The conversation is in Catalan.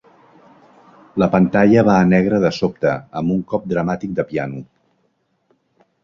La pantalla va a negre de sobte, amb un cop dramàtic de piano.